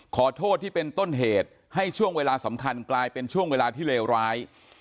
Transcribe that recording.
ขอโทษที่เป็นต้นเหตุให้ช่วงเวลาสำคัญกลายเป็นช่วงเวลาที่เลวร้าย